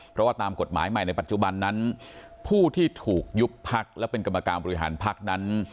เพราะว่าตามกฎหมายใหม่ในปัจจุบันนั้นผู้ที่ถูกยุบพักและเป็นกรรมการบริหารพักนั้น